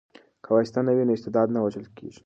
که واسطه نه وي نو استعداد نه وژل کیږي.